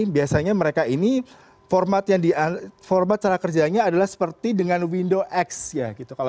biasanya mereka ini format cara kerjanya adalah seperti dengan windows x